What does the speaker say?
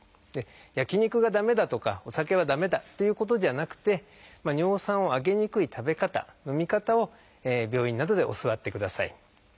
焼き肉が駄目だとかお酒は駄目だっていうことじゃなくて尿酸を上げにくい食べ方飲み方を病院などで教わってください。